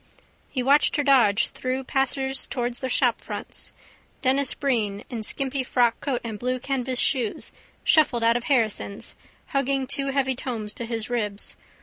He watched her dodge through passers towards the shopfronts. Denis Breen in skimpy frockcoat and blue canvas shoes shuffled out of Harrison's hugging two heavy tomes to his ribs.